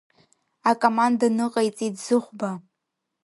Акоманда ныҟаиҵеит Зыхәба.